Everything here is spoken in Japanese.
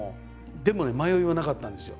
でもね迷いはなかったんですよ。